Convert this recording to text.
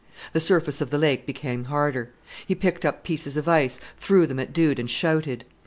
The surface of the lake became harder; he picked up pieces of ice, threw them at Dude, and shouted.